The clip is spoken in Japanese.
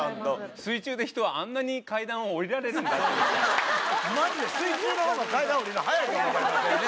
水中で人はあんなに、階段を下りられるんだね。